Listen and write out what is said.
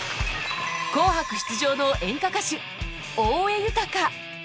『紅白』出場の演歌歌手大江裕